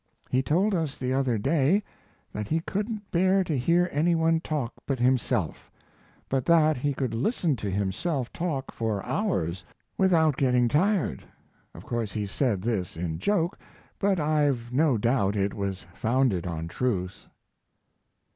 He told us the other day that he couldn't bear to hear anyone talk but himself, but that he could listen to himself talk for hours without getting tired, of course he said this in joke, but I've no doubt it was founded on truth.